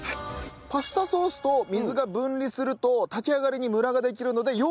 パスタソースと水が分離すると炊き上がりにムラができるのでよーく